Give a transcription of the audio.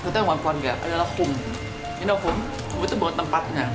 bagi kagresi seperti apa warga adalah ketemu anggar adalah home in the home itu buat tempatnya